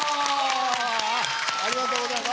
ありがとうございます。